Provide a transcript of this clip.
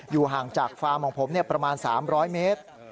ห่างจากฟาร์มของผมประมาณ๓๐๐เมตร